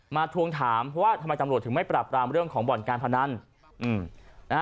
ทวงถามเพราะว่าทำไมตำรวจถึงไม่ปรับรามเรื่องของบ่อนการพนัน